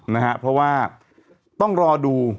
นะฮะเพราะว่าต้องรอดู